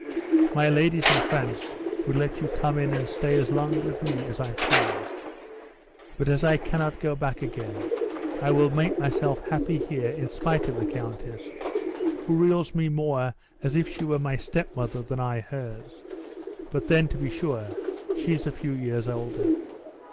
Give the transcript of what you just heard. My ladies in France would let you come in and stay as long with me as I pleased. But as I cannot go back again, I will make myself happy here in spite of the countess, who rules me more as if she were my stepmother than I hers; but then to be sure she is a few years older.